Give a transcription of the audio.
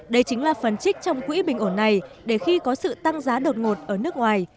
đây chính là phần trích trong quỹ bình ổn này để khi có sự tăng giá đột ngột ở nước ngoài